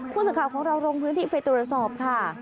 ผู้สังขาวของเรารงพื้นที่เฟย์ตุรสอบค่ะ